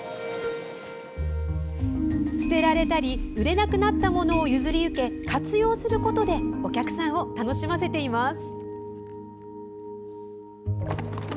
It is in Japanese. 捨てられたり売れなくなったものを譲り受け活用することでお客さんを楽しませています。